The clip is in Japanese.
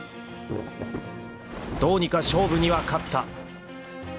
［どうにか勝負には勝った］